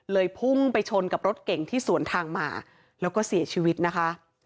พุ่งไปชนกับรถเก่งที่สวนทางมาแล้วก็เสียชีวิตนะคะ